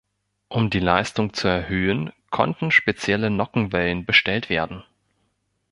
Um die Leistung zu erhöhen konnten spezielle Nockenwellen bestellt werden.